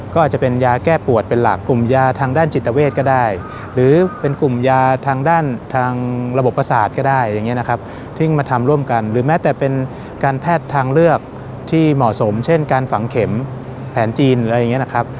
ก็อาจจะเป็นยาแก้ปวดเป็นหลักกลุ่มยาทางด้านจิตเวทก็ได้หรือเป็นกลุ่มยาทางด้านทางระบบประสาทก็ได้อย่างนี้นะครับซึ่งมาทำร่วมกันหรือแม้แต่เป็นการแพทย์ทางเลือกที่เหมาะสมเช่นการฝังเข็มแผนจีนอะไรอย่างนี้นะครับ